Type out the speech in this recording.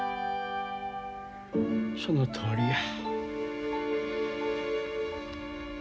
そのとおりや。